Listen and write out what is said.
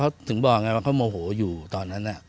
เขาถึงบอกไงว่าเขาโมโหอยู่ตอนนั้น